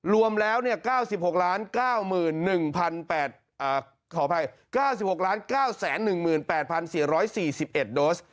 รวมแล้ว๙๖๙๑๘๔๔๑โดส